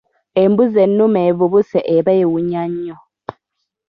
Embuzi ennume evubuse eba ewunya nnyo.